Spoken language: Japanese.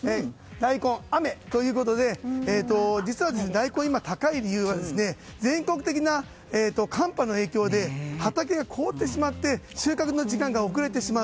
大根は雨ということで実は大根が今、高い理由は全国的な寒波の影響で畑が凍ってしまって収穫の時間が遅れてしまう。